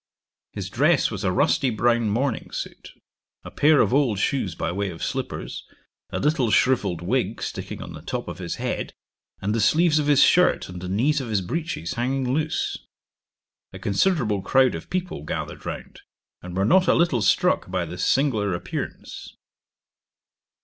His dress was a rusty brown morning suit, a pair of old shoes by way of slippers, a little shrivelled wig sticking on the top of his head, and the sleeves of his shirt and the knees of his breeches hanging loose. A considerable crowd of people gathered round, and were not a little struck by this singular appearance.'